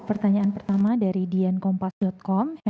pertanyaan pertama dari diankompas com